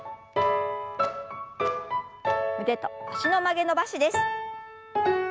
腕と脚の曲げ伸ばしです。